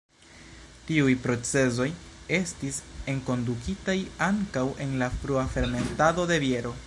Tiuj procezoj estis enkondukitaj ankaŭ en la frua fermentado de biero.